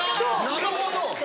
なるほど！